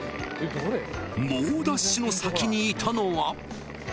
［猛ダッシュの先にいたのは？］